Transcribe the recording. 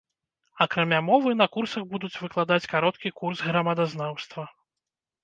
Акрамя мовы, на курсах будуць выкладаць кароткі курс грамадазнаўства.